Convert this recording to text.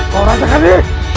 kau rasa kami